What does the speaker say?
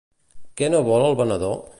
Què no vol el venedor?